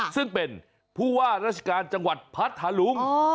ซึ่งเป็นผู้ว่าราชการจังหวัดพัทธาลุง